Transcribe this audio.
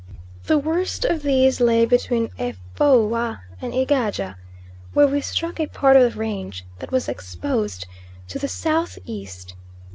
The worst of these lay between Efoua and Egaja, where we struck a part of the range that was exposed to the south east.